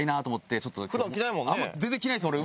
全然着ないです俺。